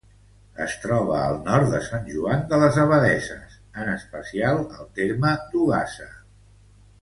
Es troba al nord de Sant Joan de les Abadesses, en especial al terme d'Ogassa.